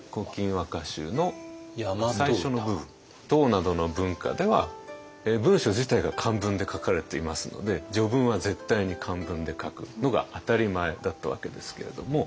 唐などの文化では文書自体が漢文で書かれていますので序文は絶対に漢文で書くのが当たり前だったわけですけれども。